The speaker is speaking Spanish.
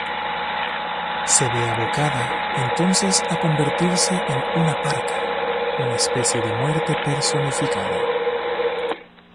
Se ve abocada entonces a convertirse en una "parca", una especie de muerte personificada.